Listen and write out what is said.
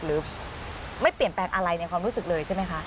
หรือไม่เปลี่ยนแปลงอะไรในความรู้สึกเลยใช่ไหมคะ